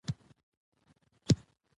که فشار راغلی وای، نو مانا به بدلېدلې وای.